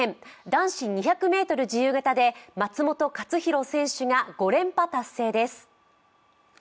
男子２００ｍ自由形で松元克央選手が５連覇達成です。